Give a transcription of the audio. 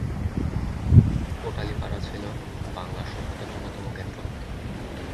কোটালীপাড়া ছিল বাংলার সভ্যতার অন্যতম কেন্দ্র।